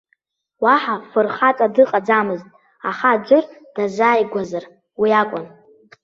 Уаҳа фырхаҵа дыҟаӡамызт, аха аӡәыр дазааигәазар уи иакәын.